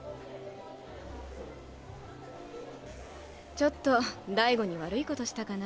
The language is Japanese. ちょっと大吾に悪いことしたかな？